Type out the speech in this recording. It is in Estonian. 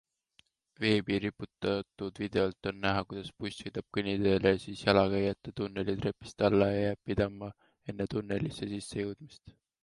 Veebi riputatud videolt on näha, kuidas buss sõidab kõnniteele, siis jalakäijate tunneli trepist alla ja jääb pidama enne tunnelisse sisse jõudmist.